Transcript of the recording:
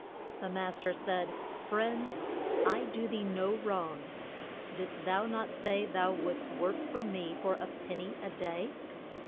] The mas ter said, Friend, I do thee no wrong. Didst thou not say thou wouldst work for me for a pen ny a day?